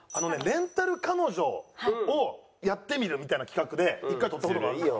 レンタル彼女をやってみるみたいな企画で一回撮った事があって。